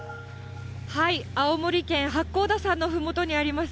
青森県八甲田山のふもとにあります